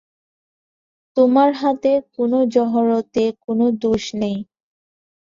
তোমার হাতে কোনো জহরতে কোনো দোষ নেই।